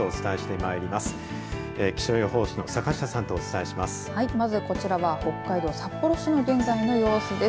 まず、こちらは北海道札幌市の現在の様子です。